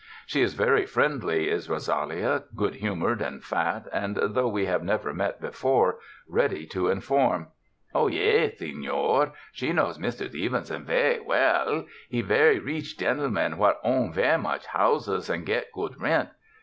She is very friendly, is Ro salia, good humored and fat, and, though we have never met before, ready to inform. Oh, yais, senor, she know' Mr. Stevenson ver' wail — he ver' reech gentleman what own' ver' much houses and get good rent.